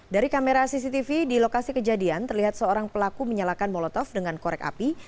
dari kamera cctv di lokasi kejadian terlihat seorang pelaku menyalakan molotov dengan korek api